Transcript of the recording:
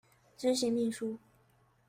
執行秘書